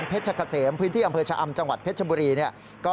กะเสมพื้นที่อำเภอชะอำจังหวัดเพชรบุรีเนี่ย